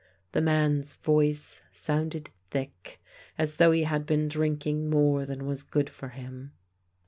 The man's voice sounded thick, as though he had been drinking more than was good for him.